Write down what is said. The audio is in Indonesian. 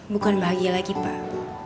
bukan bahagia lagi pak